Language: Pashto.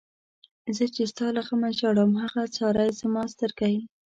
زه چی ستا له غمه ژاړم، هغه څاری زما سترگی